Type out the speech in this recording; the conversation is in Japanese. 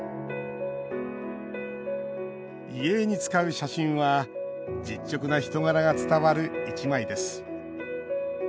遺影に使う写真は実直な人柄が伝わる一枚です。